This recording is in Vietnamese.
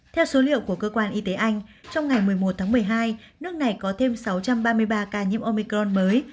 theo số liệu của cơ quan y tế anh trong ngày một mươi một tháng một mươi hai nước này có thêm sáu trăm ba mươi ba ca nhiễm omicron mới